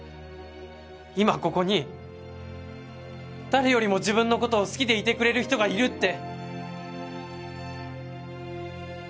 今ここに誰よりも自分の事を好きでいてくれる人がいるって。